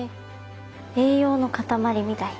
栄養の塊みたいな？